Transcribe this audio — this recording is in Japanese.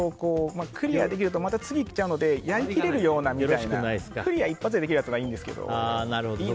クリアできると次にいっちゃうのでやりきれるようなクリア一発でできるやつはいいんですけど。